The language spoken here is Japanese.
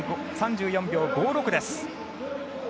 ３４秒５６です。